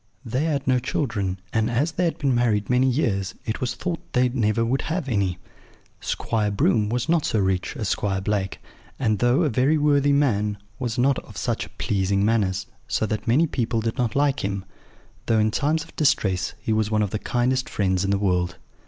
They had no children, and, as they had been married many years, it was thought they never would have any. Squire Broom was not so rich as Squire Blake, and, though a very worthy man, was not of such pleasing manners, so that many people did not like him, though in times of distress he was one of the kindest friends in the world.